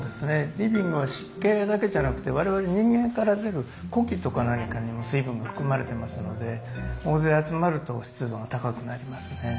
リビングは湿気だけじゃなくて我々人間から出る呼気とか何かにも水分が含まれてますので大勢集まると湿度が高くなりますね。